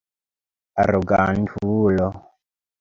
Arogantulo!